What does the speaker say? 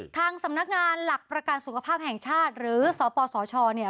ทางสำนักงานหลักประกันสุขภาพแห่งชาติหรือสปสชเนี่ย